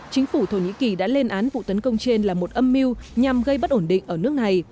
chính phủ thổ nhĩ kỳ đã lên án vụ tấn công trên là một âm mưu nhằm gây bất ổn định ở nước này